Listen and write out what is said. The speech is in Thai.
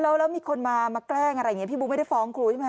แล้วมีคนมาแกล้งอะไรอย่างนี้พี่บุ๊กไม่ได้ฟ้องครูใช่ไหมค